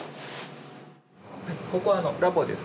ここはラボです。